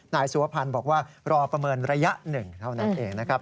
นายสุวพันธ์บอกว่ารอประเมินระยะหนึ่งเท่านั้นเองนะครับ